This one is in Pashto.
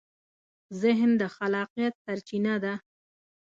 ذهن د خلاقیت سرچینه ده.